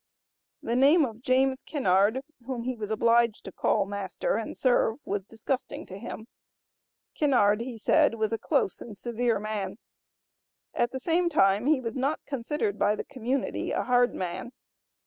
The name of James Kinnard, whom he was obliged to call master and serve, was disgusting to him. Kinnard, he said, was a "close and severe man." At the same time he was not considered by the community "a hard man."